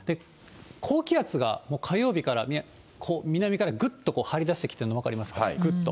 高気圧がもう火曜日から、南からぐっと張り出してきてるの分かりますか、ぐっと。